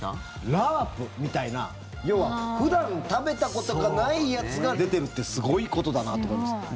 ラープみたいな要は普段食べたことがないやつが出てるってすごいことだなって思います。